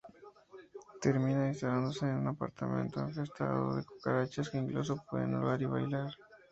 Termina instalándose en un apartamento infestado de cucarachas que incluso pueden hablar y bailar.